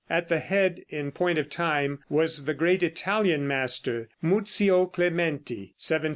At the head, in point of time, was the great Italian master, Muzio Clementi (1752 1832).